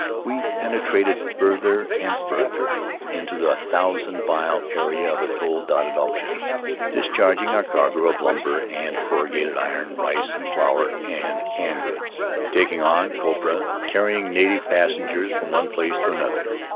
We penetrated farther and farther into a thousand mile area of atoll dotted ocean, discharging our cargo of lumber and corrugated iron, rice and flour and canned goods; taking on copra; carrying native passengers from one place to another.